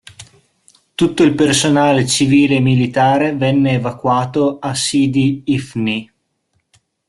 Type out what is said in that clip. Tutto il personale civile e militare venne evacuato a Sidi Ifni.